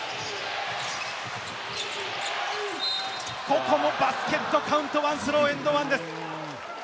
ここもバスケットカウントワンスロー、エンドワンです。